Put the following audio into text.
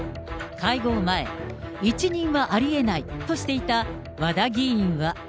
会合前、一任はありえないとしていた和田議員は。